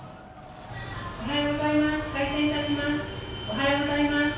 「おはようございます。